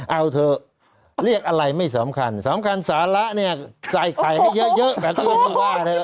เอาเถอะเรียกอะไรไม่สำคัญสำคัญสาระเนี่ยใส่ไข่ให้เยอะแบบนี้ที่ว่าเนี่ย